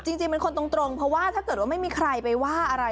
จริงเป็นคนตรงเพราะว่าถ้าเกิดว่าไม่มีใครไปว่าอะไร